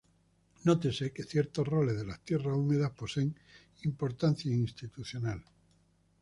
Nótese que ciertos roles de las tierras húmedas poseen importancia institucional.